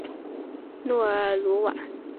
诺尔鲁瓦。